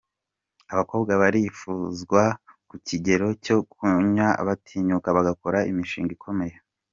Abakobwa barifuzwa ku kigero cyo kunya batinyuka bagakora imishinga ikomeye.